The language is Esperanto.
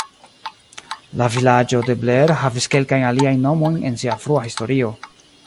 La vilaĝo de Blair havis kelkajn aliajn nomojn en sia frua historio.